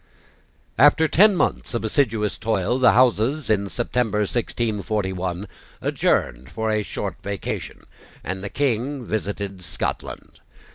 After ten months of assiduous toil, the Houses, in September 1641, adjourned for a short vacation; and the King visited Scotland.